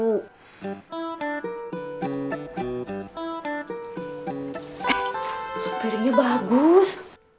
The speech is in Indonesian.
eh hampirnya bagus